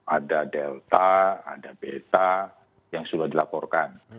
ada delta ada beta yang sudah dilaporkan